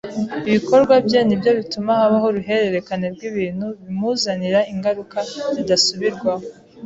Ibikorwa bye ni byo bituma habaho uruhererekane rw’ibintu bimuzanira ingaruka zidasubirwaho